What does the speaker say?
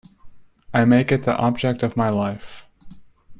I make it the object of my life.